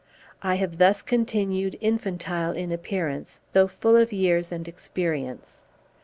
I have thus continued infantile in appearance, though full of years and experience.